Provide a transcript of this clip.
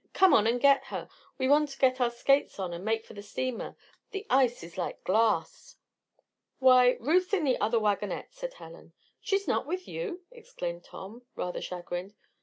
"Come on and get her. We want to get our skates on and make for the steamer. The ice is like glass." "Why Ruth's in the other wagonette," said Helen. "She's not with you?" exclaimed Tom, rather chagrined.